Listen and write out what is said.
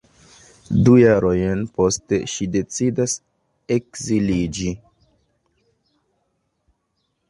Du jarojn poste ŝi decidas ekziliĝi.